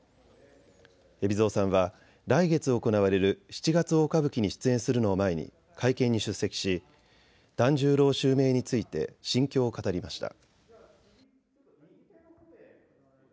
海老蔵さんは来月行われる七月大歌舞伎に出演するのを前に会見に出席し團十郎襲名について心境を語りました。